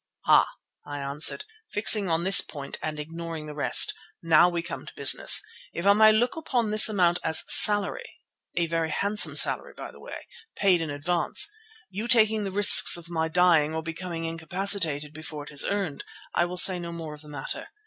"Ah!" I answered, fixing on this point and ignoring the rest, "now we come to business. If I may look upon this amount as salary, a very handsome salary by the way, paid in advance, you taking the risks of my dying or becoming incapacitated before it is earned, I will say no more of the matter.